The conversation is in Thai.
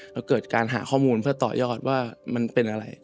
แล้วเกิดการหาข้อมูลเพื่อต่อยอดว่ามันเป็นอะไร